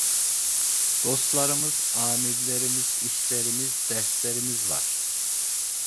Dostlarımız, âmirlerimiz, işlerimiz, derslerimiz var…